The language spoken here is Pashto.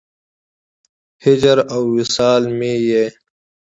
هجر او وصال مې یې